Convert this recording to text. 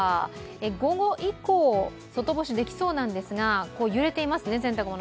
午後以降できそうなんですが、外干しできそうなんですが揺れていますね、洗濯物。